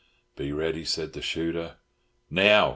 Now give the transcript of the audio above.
"Be ready," said the shooter. "Now!"